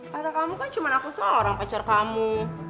pasal kamu kan cuma aku seorang pacar kamu